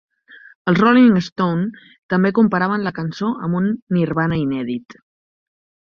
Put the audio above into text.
Els "Rolling Stone" també comparaven la cançó amb un "nirvana inèdit".